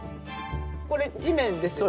これ地面ですよね。